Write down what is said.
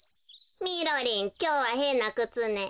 みろりんきょうはへんなくつね。